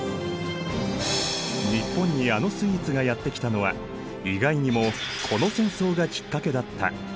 日本にあのスイーツがやって来たのは意外にもこの戦争がきっかけだった。